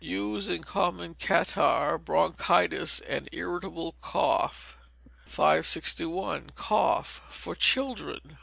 Use in common catarrh, bronchitis, and irritable cough. 561. Cough (for Children).